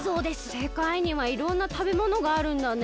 せかいにはいろんなたべものがあるんだね。